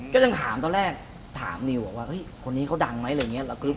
ก็ยังถามตอนแรกถามนิวบอกว่าเฮ้ยคนนี้เขาดังไหมอะไรอย่างนี้